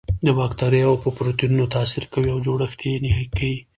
د باکتریاوو په پروتینونو تاثیر کوي او جوړښت یې نهي کوي.